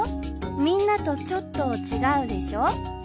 みんなとちょっと違うでしょ？